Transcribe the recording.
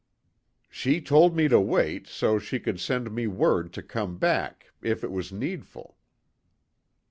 "She told me to wait, so she could send me word to come back, if it was needful."